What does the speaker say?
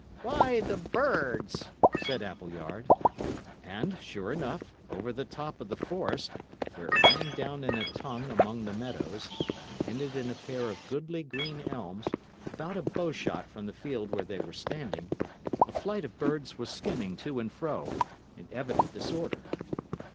"Why, the birds," said Appleyard. And, sure enough, over the top of the forest, where it ran down in a tongue among the meadows, and ended in a pair of goodly green elms, about a bowshot from the field where they were standing, a flight of birds was skimming to and fro, in evident disorder.